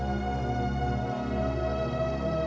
udah jalan aja dulu